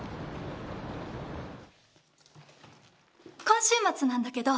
今週末なんだけど。